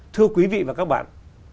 thưa quý vị và các bạn